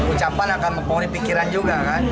ucapan akan mempengaruhi pikiran juga kan